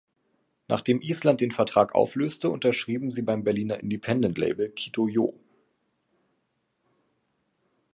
Nachdem Island den Vertrag auflöste, unterschrieben sie beim Berliner Independent-Label Kitty-Yo.